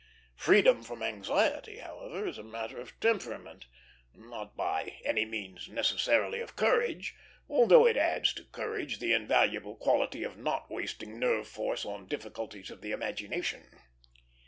Freedom from anxiety, however, is a matter of temperament; not by any means necessarily of courage, although it adds to courage the invaluable quality of not wasting nerve force on difficulties of the imagination.